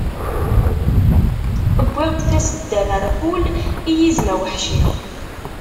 Wwiɣ-d tasedda n rrxul, i yizem aweḥci.